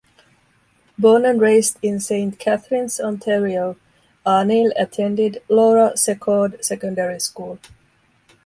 Born and raised in Saint Catharines, Ontario, Arneill attended Laura Secord Secondary School.